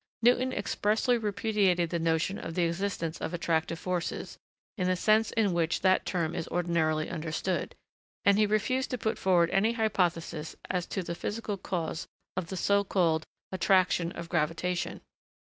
Newton expressly repudiated the notion of the existence of attractive forces, in the sense in which that term is ordinarily understood; and he refused to put forward any hypothesis as to the physical cause of the so called 'attraction of gravitation.'